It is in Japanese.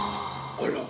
あら。